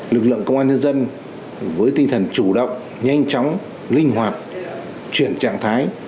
lực lượng công an nhân dân với tinh thần chủ động nhanh chóng linh hoạt chuyển trạng thái